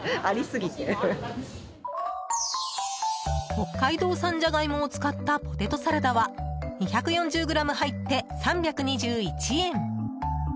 北海道産ジャガイモを使ったポテトサラダは２４０ｇ入って３２１円。